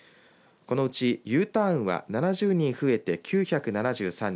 このうちＵターンは７０人増えて９７３人